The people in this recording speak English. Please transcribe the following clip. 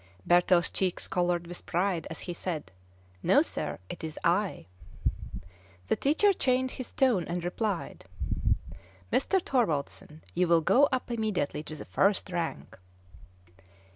Bertel's cheeks colored with pride as he said, "No, sir; it is I." The teacher changed his tone, and replied, "Mr. Thorwaldsen, you will go up immediately to the first rank."